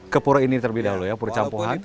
ke pura ini terlebih dahulu ya pura campuran